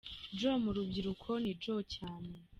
Joe mu rubyiruko ni Joe cyane.